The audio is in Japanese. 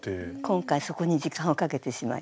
今回そこに時間をかけてしまいました。